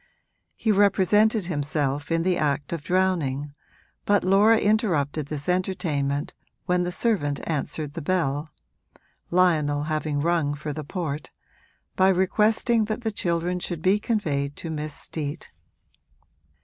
He represented himself in the act of drowning, but Laura interrupted this entertainment, when the servant answered the bell (Lionel having rung for the port), by requesting that the children should be conveyed to Miss Steet.